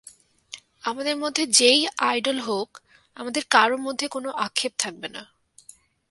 আমাদের মধ্যে যে-ই আইডল হোক, আমাদের কারও মধ্যে কোনো আক্ষেপ থাকবে না।